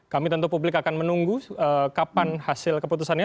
kami tentu publik akan menunggu kapan hasil keputusannya